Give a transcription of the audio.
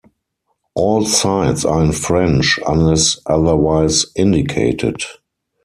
All sites are in French, unless otherwise indicated.